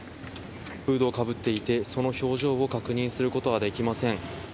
フードをかぶっていて、その表情を確認することはできません。